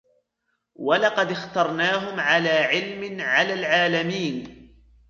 ولقد اخترناهم على علم على العالمين